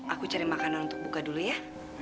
aku cari makanan untuk buka dulu ya